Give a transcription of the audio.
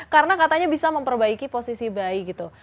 karena katanya bisa memperbaiki posisi bayi gitu